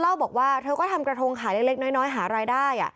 เล่าบอกว่าเธอก็ทำกระทงขายเล็กน้อยหารายได้